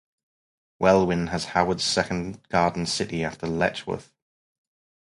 Welwyn was Howard's second Garden City after Letchworth.